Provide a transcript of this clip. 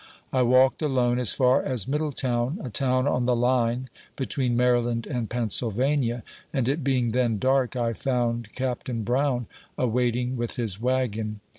I walked alone as far as Middletown, a town on the line between Maryland and Penn sylvania, and it being then dark, I found Captain Brown awaiting with his wagon.